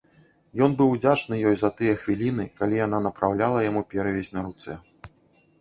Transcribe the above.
Ён быў удзячны ёй за тыя хвіліны, калі яна напраўляла яму перавязь на руцэ.